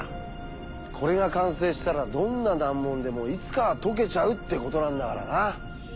これが完成したらどんな難問でもいつかは解けちゃうってことなんだからな。